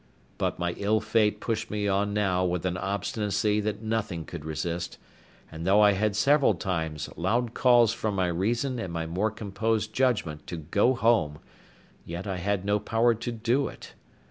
But my ill fate pushed me on now with an obstinacy that nothing could resist; and though I had several times loud calls from my reason and my more composed judgment to go home, yet I had no power to do it.